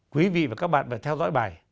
quý vị và các bạn phải theo dõi bài